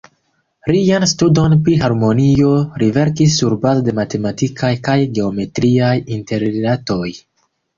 Lian studon pri harmonio, li verkis surbaze de matematikaj kaj geometriaj interrilatoj.